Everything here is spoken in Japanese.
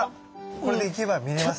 これでいけば見れますね。